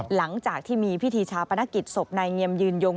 หลังจากที่มีพิธีชาปนกิจศพนายเงียมยืนยง